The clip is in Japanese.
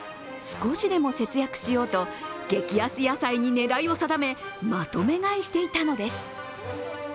少しでも節約しようと、激安野菜に狙いを定め、まとめ買いしていたのです。